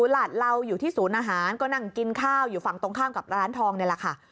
เราอยู่ที่สูญหาศก็นั่งกินข้าวอยู่ฝั่งตรงข้างกับร้านทองนี้แหละคะ